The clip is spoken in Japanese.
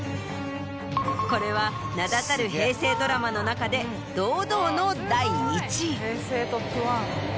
これは名だたる平成ドラマの中で堂々の第１位。